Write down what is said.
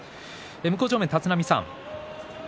向正面の立浪さん